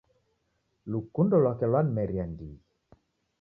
Lukundo lwake lwanimeria ndighi